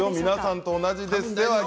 皆さんと同じですよ。